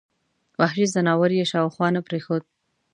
وحشي ځناور یې شاوخوا نه پرېښود.